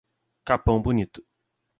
Capão Bonito